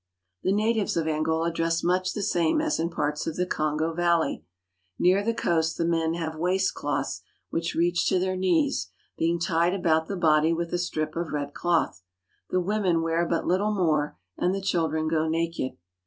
The natives of Angola dress much the same as in parts of the Kongo valley. Near the coast the men have waist cloths which reach to their knees, being tied about the body with a strip of red cloth. The women wear but little more, and the children go naked.